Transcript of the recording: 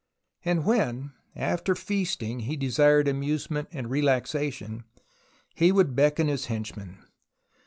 And when after feasting he desired amusement and relaxation, he would beckon his henchman.